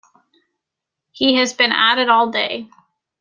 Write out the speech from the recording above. He has been at it all day.